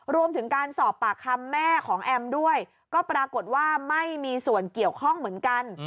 รวมถึงการสอบปากคำแม่ของแอมด้วยก็ปรากฏว่าไม่มีส่วนเกี่ยวข้องเหมือนกัน